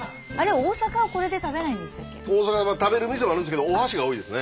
大阪は食べる店もあるんですけどおはしが多いですね。